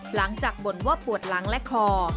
หลังจากบ่นว่าปวดหลังและคอ